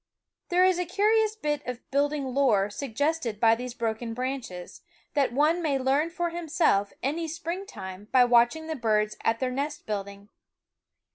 There is a curious bit of building lore suggested by these broken branches, that one may learn for himself any springtime by watching the birds at their nest build ing.